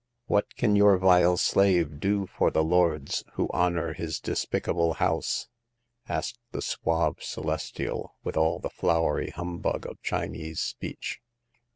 " What can your vile slave do for the lords who honor his despicable house ?*' asked the suave Celestial, with all the flowery humbug of Chinese speech.